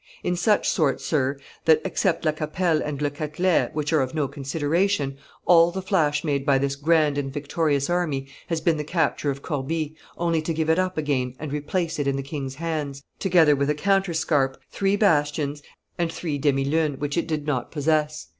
In such sort, sir, that, except La Capelle and Le Catelet, which are of no consideration, all the flash made by this grand and victorious army has been the capture of Corbie, only to give it up again and replace it in the king's hands, together with a counterscarp, three bastions, and three demilunes, which it did not possess.